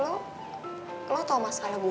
lo lo tau masalah gue